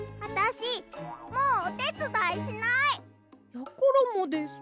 やころもです。